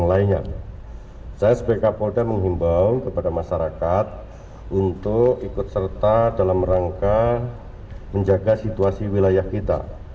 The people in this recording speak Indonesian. saya sebagai kapolda menghimbau kepada masyarakat untuk ikut serta dalam rangka menjaga situasi wilayah kita